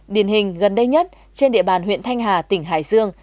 điển hình gần đây nhất trên địa bàn huyện thanh hà tỉnh hải dương